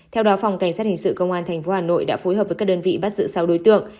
theo đó phòng cảnh sát hình sự công an tp hà nội đã phối hợp với các đơn vị bắt giữ sáu đối tượng